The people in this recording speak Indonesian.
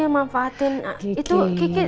memanfaatin itu kiki